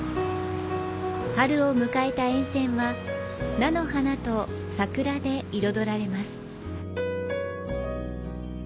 春を迎えた沿線は菜の花と桜で彩られます。